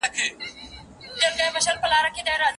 شعرونه دي هر وخت د ملاقات راته وايي